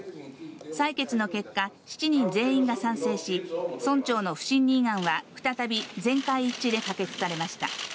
採決の結果、７人全員が賛成し、村長の不信任案は再び全会一致で可決されました。